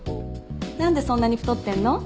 何でそんなに太ってんの？